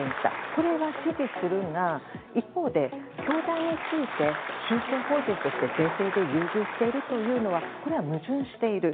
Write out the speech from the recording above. これは支持するが一方で教団について宗教法人として税制で優遇しているというのはこれは矛盾している。